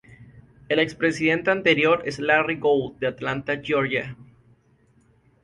El ex-presidente anterior es Larry Gold de Atlanta, Georgia.